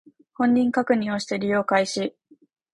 本人認証をして利用開始